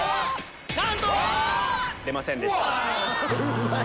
なんと‼出ませんでした。